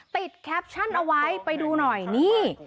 แคปชั่นเอาไว้ไปดูหน่อยนี่